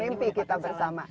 mimpi kita bersama